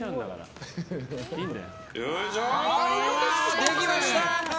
できました！